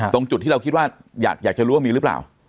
ตรงจุดที่เราคิดว่าอยากจะรู้ว่ามีหรือเปล่า